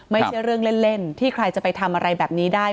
ไม่ใช่เรื่องเล่นที่ใครจะไปทำอะไรแบบนี้ได้